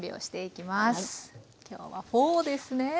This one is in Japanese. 今日はフォーですね。